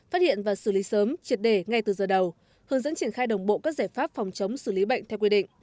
phát hiện và xử lý sớm triệt đề ngay từ giờ đầu hướng dẫn triển khai đồng bộ các giải pháp phòng chống xử lý bệnh theo quy định